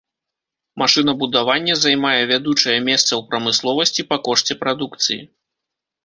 Машынабудаванне займае вядучае месца ў прамысловасці па кошце прадукцыі.